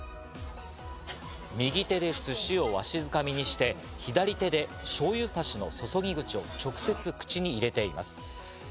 右手で寿司をわしづかみにして、左手で醤油さしの注ぎ口を直接、口に入れています。